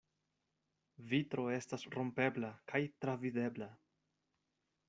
Vitro estas rompebla kaj travidebla.